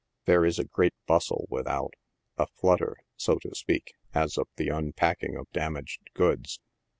There is a great bustle with out — a nutter, so to speak, as of the unpacking of damaged goods.